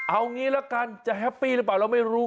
เอางี้ละกันจะแฮปปี้หรือเปล่าเราไม่รู้